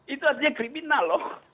itu artinya kriminal loh